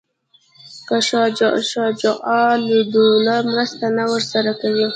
که شجاع الدوله مرسته نه ورسره کوي.